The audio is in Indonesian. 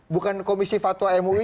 bukan komisi fatwa mui